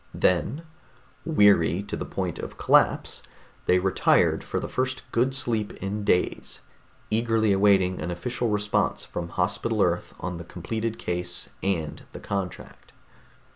Then, weary to the point of collapse, they retired for the first good sleep in days, eagerly awaiting an official response from Hospital Earth on the completed case and the contract.